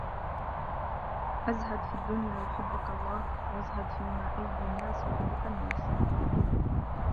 ازْهَدْ فِي الدُّنْيَا يُحِبُّك اللَّهُ وَازْهَدْ فِيمَا فِي أَيْدِي النَّاسِ يُحِبُّك النَّاسُ